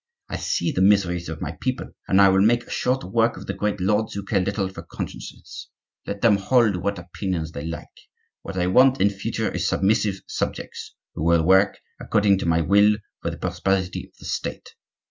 I see the miseries of my people, and I will make short work of the great lords who care little for consciences,—let them hold what opinions they like; what I want in future is submissive subjects, who will work, according to my will, for the prosperity of the State.